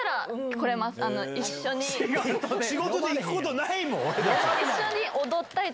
仕事で行くことないもん！